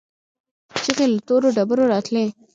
چيغې له تورو ډبرو راتلې.